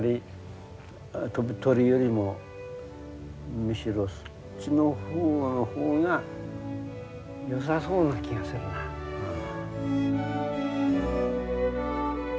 飛ぶ鳥よりもむしろそっちの方がよさそうな気がするなうん。